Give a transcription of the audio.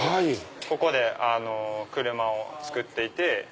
ここで車を造っていて。